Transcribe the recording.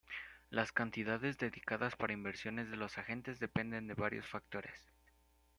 Las cantidades dedicadas para inversiones de los agentes dependen de varios factores.